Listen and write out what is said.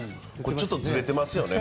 ちょっとずれてますよね